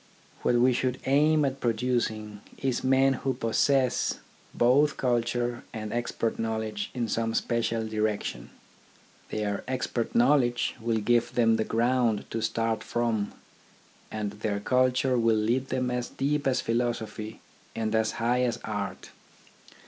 What we should aim at producing is men who possess both culture and expert 4 THE ORGANISATION OF THOUGHT knowledge in some special direction. Their ex pert knowledge will give them the ground to start from, and their culture will lead them as deep as philosophy and as high as art.